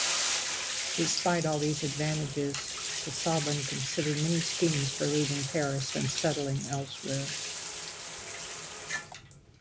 Despite all these advantages, Casaubon considered many schemes for leaving Paris and settling elsewhere.